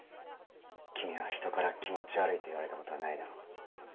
君は人から「気持ち悪い」と言われたことはないだろ？